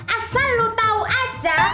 asal lu tau aja